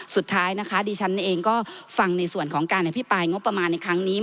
สุดท้ายนะคะดิฉันเองก็ฟังในส่วนของการอภิปรายงบประมาณในครั้งนี้